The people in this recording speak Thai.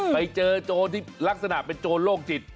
ไปเจอโจรที่ลักษณะเป็นโจรโรคจิต